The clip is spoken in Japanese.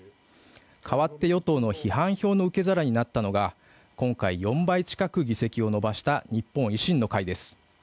代わって与党の批判票の受け皿になったのが今回、４倍近く議席を伸ばした日本維新の会です。